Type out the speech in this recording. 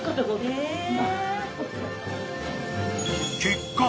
［結果